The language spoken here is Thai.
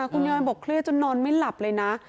คุณยายบอกเครียดจนนอนไม่หลับเลยนะ